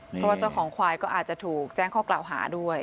เพราะว่าเจ้าของควายก็อาจจะถูกแจ้งข้อกล่าวหาด้วย